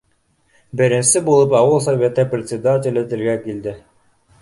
Беренсе булып ауыл Советы председателе телгә килде: